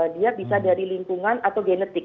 dia bisa dari lingkungan atau genetik